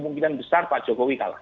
kemungkinan besar pak jokowi kalah